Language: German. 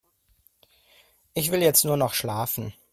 Ich will jetzt nur noch schlafen.